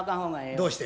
どうして？